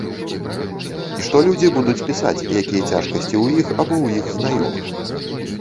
Што людзі будуць пісаць, якія цяжкасці ў іх або ў іх знаёмых.